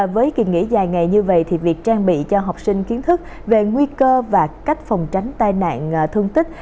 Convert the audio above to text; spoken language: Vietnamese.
với kỳ nghỉ dài ngày như vậy việc trang bị cho học sinh kiến thức về nguy cơ và cách phòng tránh tai nạn thương tích